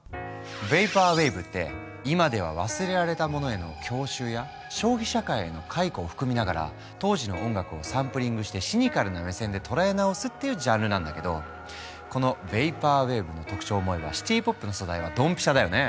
ヴェイパーウェーブって今では忘れられたものへの郷愁や消費社会への回顧を含みながら当時の音楽をサンプリングしてシニカルな目線で捉え直すっていうジャンルなんだけどこのヴェイパーウェーブの特徴を思えばシティ・ポップの素材はドンピシャだよね。